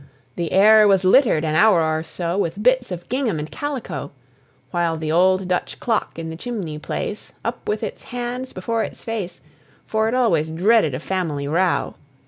The air was littered, an hour or so, With bits of gingham and calico, While the old Dutch clock in the chimney place Up with its hands before its face, For it always dreaded a family row!